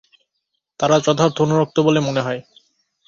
তাঁরা যথার্থ অনুরক্ত বলে মনে হয়।